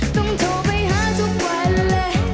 ต้องโทรไปหาทุกวันเลย